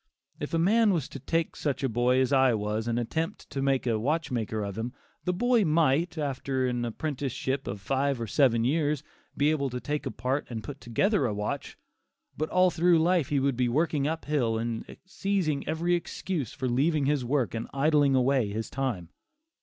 If a man was to take such a boy as I was and attempt to make a watchmaker of him, the boy might, after an apprenticeship of five or seven years, be able to take apart and put together a watch; but all through life he would be working up hill and seizing every excuse for leaving his work and idling away his time.